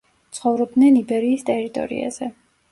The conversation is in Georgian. ცხოვრობდნენ იბერიის ტერიტორიაზე.